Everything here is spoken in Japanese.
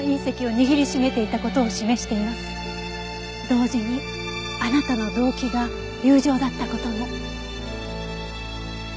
同時にあなたの動機が友情だった事も。